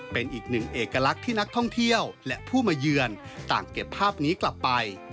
เป็นอีกหนึ่งเอกลักษณ์ที่นักท่องเที่ยวและผู้มาเยือนต่างเก็บภาพนี้กลับไป